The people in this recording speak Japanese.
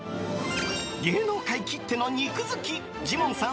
芸能界きっての肉好きジモンさん